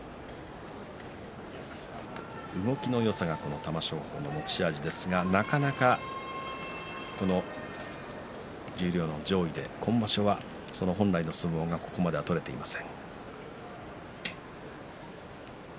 動きのよさが玉正鳳の持ち味ですがなかなか十両の上位で今場所は本来の相撲がここまでは取れていません。